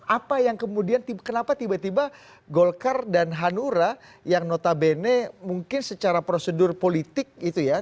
apa yang kemudian kenapa tiba tiba golkar dan hanura yang notabene mungkin secara prosedur politik itu ya